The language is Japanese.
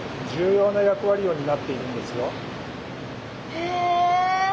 へえ。